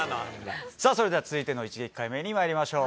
それでは続いての一撃解明にまいりましょう。